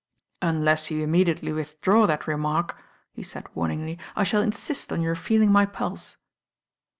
"Unless you immediately withdraw that remark," he said wamingly, "I shall insist on your feeling my pulse."